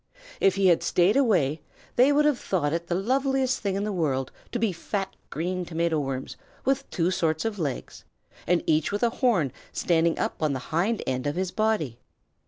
If he had stayed away, they would have thought it the loveliest thing in the world to be fat green Tomato Worms with two sorts of legs and each with a horn standing up on the hind end of his body.